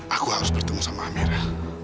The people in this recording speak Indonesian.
aku harus bertemu sama amera